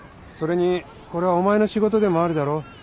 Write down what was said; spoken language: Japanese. それにこれはお前の仕事でもあるだろ？